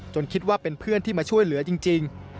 คิดว่าเป็นเพื่อนที่มาช่วยเหลือจริง